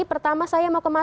pertama saya mau kemas